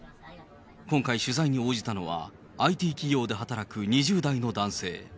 今回取材に応じたのは、ＩＴ企業で働く２０代の男性。